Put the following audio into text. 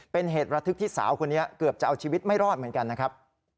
เป็นเหตุระทึกที่สาวคนนี้เกือบจะเอาชีวิตไม่รอดเหมือนกันนะครับ